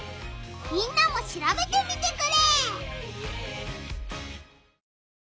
みんなも調べてみてくれ！